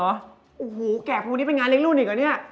โอ้โหแก่พรุ่งนี้เป็นงานเลี้ยรุ่นอีกเหรอเนี่ย